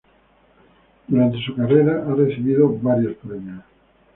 Durante su carrera ha recibido varios premios.